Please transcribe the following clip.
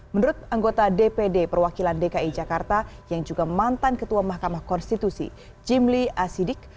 menurut anggota dpd perwakilan dki jakarta yang juga mantan ketua mahkamah konstitusi jimli asidik